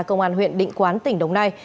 công an huyện định quán tỉnh đồng nai